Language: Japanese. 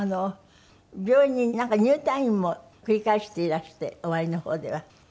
病院になんか入退院も繰り返していらして終わりの方では。